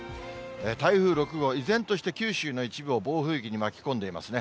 台風６号、依然として九州の一部を暴風域に巻き込んでいますね。